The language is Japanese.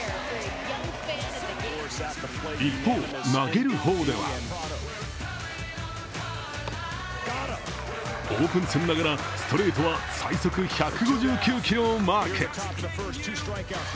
一方、投げる方ではオープン戦ながらストレートは最速１５９キロをマーク。